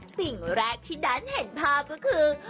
สิ่งแรกที่ดันเห็นภาพก็คือ